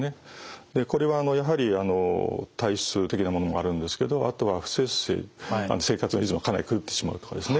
これはやはり体質的なものもあるんですけどあとは不摂生生活のリズムがかなり狂ってしまうとかですね